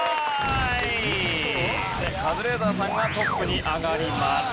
カズレーザーさんがトップに上がります。